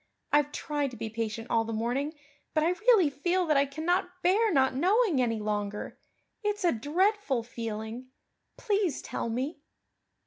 I've tried to be patient all the morning, but I really feel that I cannot bear not knowing any longer. It's a dreadful feeling. Please tell me."